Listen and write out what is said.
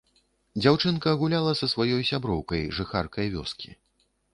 Дзяўчынка гуляла са сваёй сяброўкай, жыхаркай вёскі.